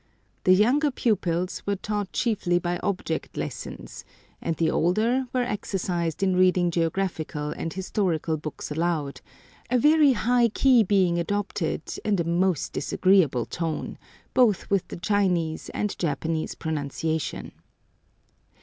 The younger pupils were taught chiefly by object lessons, and the older were exercised in reading geographical and historical books aloud, a very high key being adopted, and a most disagreeable tone, both with the Chinese and Japanese pronunciation.